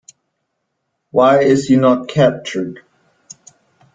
Why is he not captured?